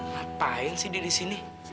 ngapain sih dia disini